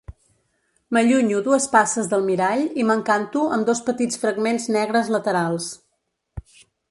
M'allunyo dues passes del mirall i m'encanto amb dos petits fragments negres laterals.